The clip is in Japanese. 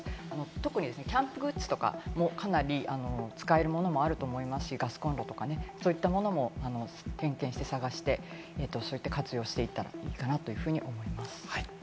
特にキャンプグッズとかもかなり使えるものもあると思いますし、ガスコンロとかね、そういったものも点検して探して活用していったらいいかなというふうに思います。